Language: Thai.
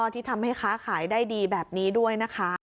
ที่ทำให้ค้าขายได้ดีแบบนี้ด้วยนะคะ